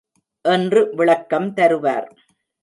என்று விளக்கம் தருவார்.